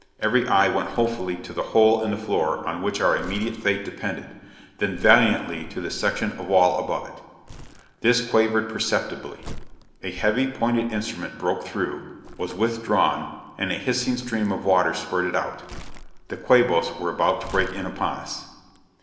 Every eye went hopefully to the hole in the floor on which our immediate fate depended, then valiantly to the section of wall above it. This quivered perceptibly. A heavy, pointed instrument broke through; was withdrawn; and a hissing stream of water spurted out. The Quabos were about to break in upon us!